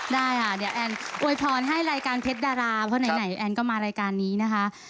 ได้ค่ะเดี๋ยวแอนโวยพรให้รายการเพชรดาราเพราะไหนแอนก็มารายการนี้นะคะ